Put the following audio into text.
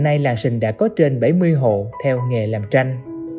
nay làng sình đã có trên bảy mươi hộ theo nghề làm tranh